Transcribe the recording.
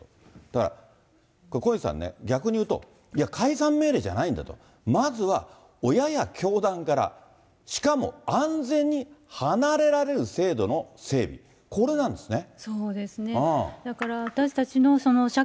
だから、小西さんね、逆に言うと、いや、解散命令じゃないんだと、まずは、親や教団から、しかも安全に離れられる制度の整備、これなんですね。